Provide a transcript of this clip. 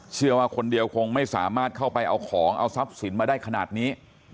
เชื่อว่าคนเดียวคงไม่สามารถเข้าไปเอาของเอาทรัพย์สินมาได้ขนาดนี้